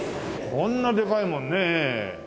こんなでかいもんねエイ。